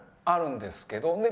あるんですけど。